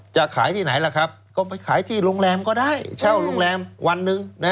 จะขายที่ไหนล่ะครับก็ไปขายที่โรงแรมก็ได้เช่าโรงแรมวันหนึ่ง